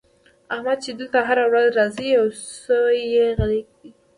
احمد چې دلته هره ورځ راځي؛ يو سوی يې غلی کړی دی.